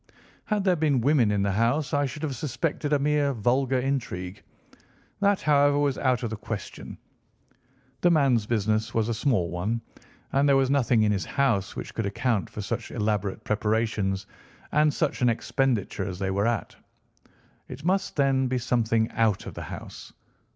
"Had there been women in the house, I should have suspected a mere vulgar intrigue. That, however, was out of the question. The man's business was a small one, and there was nothing in his house which could account for such elaborate preparations, and such an expenditure as they were at. It must, then, be something out of the house.